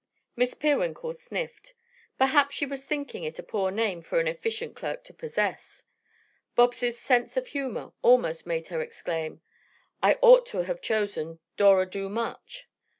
Miss Peerwinkle sniffed. Perhaps she was thinking it a poor name for an efficient clerk to possess. Bobs' sense of humor almost made her exclaim: "I ought to have chosen Dora Domuch."